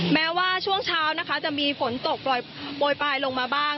แม้ว่าช่วงเช้าจะมีฝนตกปล่อยปลายลงมาบ้าง